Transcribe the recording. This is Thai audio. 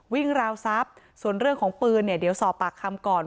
วิ่งราวซับส่วนเรื่องของปืนเดี๋ยวสอบปากคำก่อน